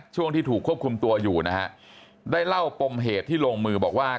ช่วงที่ถูกควบคุมตัวอยู่นะฮะได้เล่าปมเหตุที่ลงมือบอกว่า